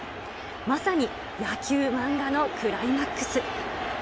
まさに野球漫画のクライマックス。